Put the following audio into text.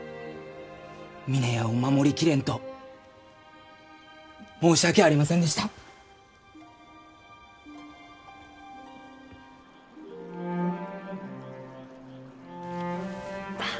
峰屋を守り切れんと申し訳ありませんでした。バア。